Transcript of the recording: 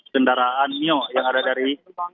kendaraan mio yang ada dari